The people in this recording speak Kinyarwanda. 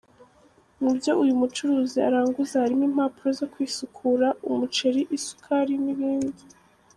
Mu byo uyu mucuruzi aranguza harimo impapuro zo kwisukura, umuceri, isukari n’ibindi.